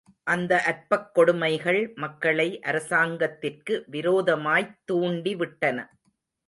இந்த அற்பக் கொடுமைகள் மக்களை அரசாங்கத்திற்கு விரோதமாய்த் தூண்டிவிட்டன.